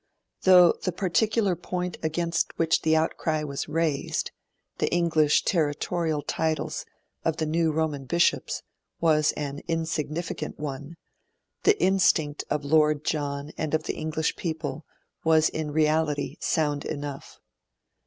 Though the particular point against which the outcry was raised the English territorial titles of the new Roman bishops was an insignificant one, the instinct of Lord John and of the English people was in reality sound enough.